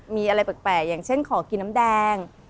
มีอะไรแปลกอย่างเช่นขอกินน้ำแดง